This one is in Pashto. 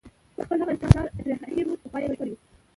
خپل هغه استثمار ترې هېر وو چې پخوا یې کړې وه.